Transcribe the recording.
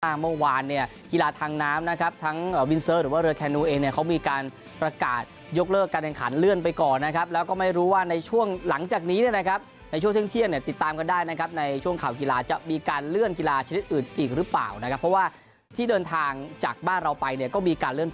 เมื่อวานเนี่ยกีฬาทางน้ำนะครับทั้งวินเซิร์ฟหรือว่าเรือแคนูเองเนี่ยเขามีการประกาศยกเลิกการแข่งขันเลื่อนไปก่อนนะครับแล้วก็ไม่รู้ว่าในช่วงหลังจากนี้เนี่ยนะครับในช่วงเที่ยงเนี่ยติดตามกันได้นะครับในช่วงข่าวกีฬาจะมีการเลื่อนกีฬาชนิดอื่นอีกหรือเปล่านะครับเพราะว่าที่เดินทางจากบ้านเราไปเนี่ยก็มีการเลื่อน